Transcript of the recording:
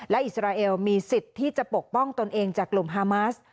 และอิสราเอลมีสิทธิ์ที่จะปกป้องตนเองจากกลุ่มฮามาส